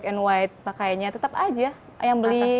black and white pakainya tetap aja